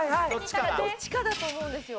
どっちかだと思うんですよ。